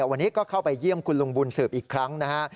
วันนี้ก็เข้าไปเยี่ยมคุณลุงบุญสืบอีกครั้งนะฮะ